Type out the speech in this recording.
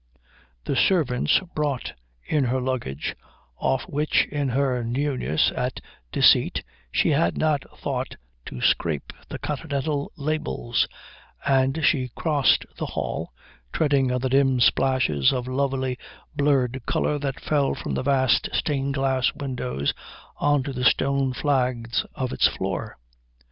The servants brought in her luggage, off which in her newness at deceit she had not thought to scrape the continental labels, and she crossed the hall, treading on the dim splashes of lovely blurred colour that fell from the vast stained glass windows on to the stone flags of its floor.